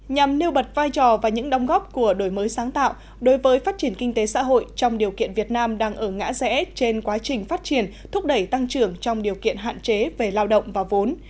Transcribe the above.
nhằm nêu bật vai trò và những đồng góp của đổi mới sáng tạo đối với phát triển kinh tế xã hội trong điều kiện việt nam đang ở ngã rẽ trên quá trình phát triển thúc đẩy tăng trưởng trong điều kiện hạn chế về lao động và vốn